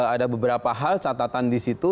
ada beberapa hal catatan disitu